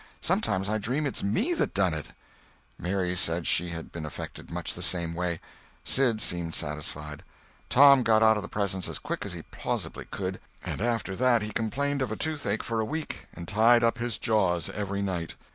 Sometimes I dream it's me that done it." Mary said she had been affected much the same way. Sid seemed satisfied. Tom got out of the presence as quick as he plausibly could, and after that he complained of toothache for a week, and tied up his jaws every night.